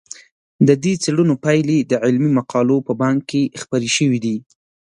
د دې څېړنو پایلې د علمي مقالو په بانک کې خپرې شوي دي.